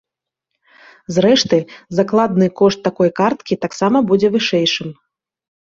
Зрэшты, закладны кошт такой карткі таксама будзе вышэйшым.